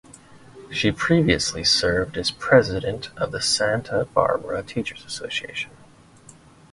She previously served as President of the Santa Barbara Teachers Association.